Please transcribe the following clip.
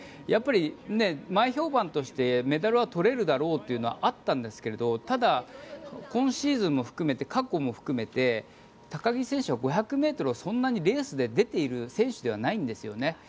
やっぱり前評判としてメダルは取れるだろうというのはあったんですけどただ、今シーズンも含めて過去も含めて高木選手は５００ｍをそんなにレースで出ている選手ではないんですね。